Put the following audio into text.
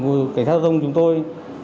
của cảnh sát giao thông chúng tôi